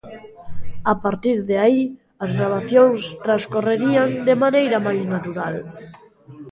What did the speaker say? A partir de aí as gravacións transcorrerían de maneira máis natural.